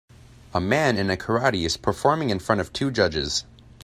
A man in a karate is performing in front of two judges.